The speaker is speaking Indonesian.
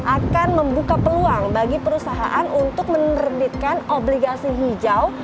akan membuka peluang bagi perusahaan untuk menerbitkan obligasi hijau